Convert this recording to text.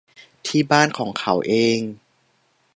ที่บ้านของเขาเอง